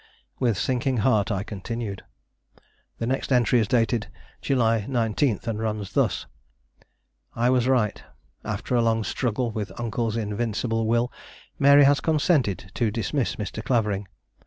With sinking heart, I continued. The next entry is dated July 19, and runs thus: "I was right. After a long struggle with Uncle's invincible will, Mary has consented to dismiss Mr. Clavering.